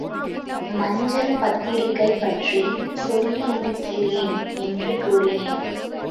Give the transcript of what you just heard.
மஞ்சள் பத்திரிகைப் பற்றி சொல்லியிருக்கிறேன் என்று கூறினேன்.